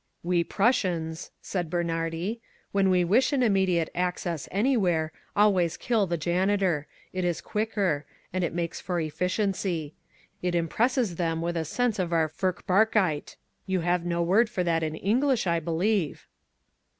"We Prussians," said Bernhardi, "when we wish an immediate access anywhere, always kill the janitor. It is quicker: and it makes for efficiency. It impresses them with a sense of our Furchtbarkeit. You have no word for that in English, I believe?"